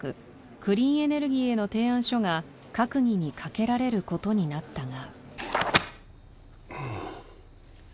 クリーンエネルギーへの提案書が閣議にかけられることになったがうん